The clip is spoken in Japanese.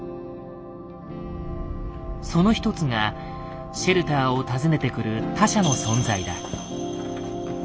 その一つがシェルターを訪ねてくる他者の存在だ。